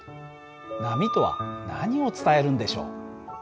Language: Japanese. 波とは何を伝えるんでしょう。